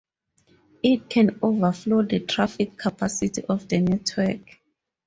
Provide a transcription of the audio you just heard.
It can overflow the traffic capacity of the network.